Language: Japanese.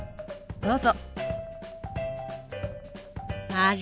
どうぞ。